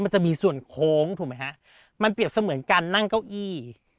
มันจะมีส่วนโค้งถูกไหมฮะมันเปรียบเสมือนการนั่งเก้าอี้